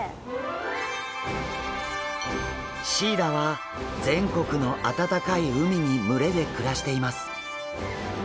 シイラは全国の温かい海に群れで暮らしています。